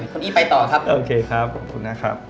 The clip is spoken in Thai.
คนนี้ไปต่อครับโอเคครับขอบคุณนะครับ